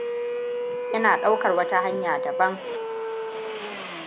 Ina ɗaukar wata hanya dabam.